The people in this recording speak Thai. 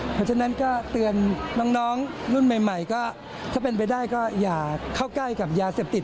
เพราะฉะนั้นก็เตือนน้องรุ่นใหม่ก็ถ้าเป็นไปได้ก็อย่าเข้าใกล้กับยาเสพติด